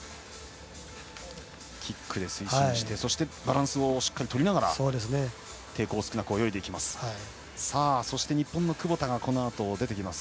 キックで推進してそしてバランスをしっかりとりながら、抵抗少なく泳いできます。